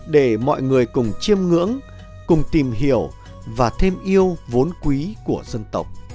để mọi người cùng chiêm ngưỡng cùng tìm hiểu và thêm yêu vốn quý của dân tộc